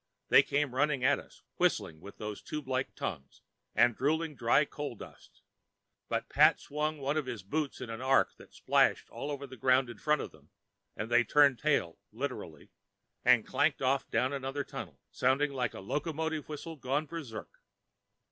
They came running at us, whistling with those tubelike tongues, and drooling dry coal dust, but Pat swung one of his boots in an arc that splashed all over the ground in front of them, and they turned tail (literally) and clattered off down another tunnel, sounding like a locomotive whistle gone berserk.